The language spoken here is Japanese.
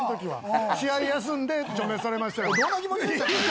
試合休んで除名されましたよ。